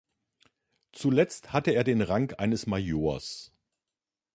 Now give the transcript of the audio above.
Zuletzt hatte er den Rang eines Majors.